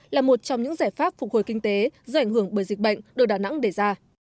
là một trong những giải pháp phục hồi kinh tế do ảnh hưởng bởi dịch bệnh đồ đà nẵng đề ra